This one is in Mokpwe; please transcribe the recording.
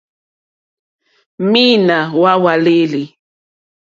Mǐīnā má hwàlêlì.